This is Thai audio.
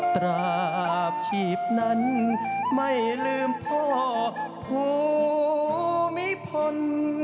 ตราบชีพนั้นไม่ลืมพ่อภูมิพล